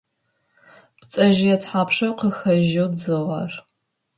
Пцэжъые тхьапша къыхэжъу дзыгъэр?